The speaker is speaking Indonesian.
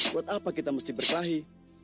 buat apa kita mesti berkelahi